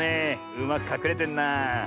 うまくかくれてんなあ。